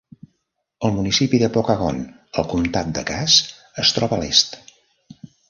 El municipi de Pokagon al Comtat de Cass es troba a l'est.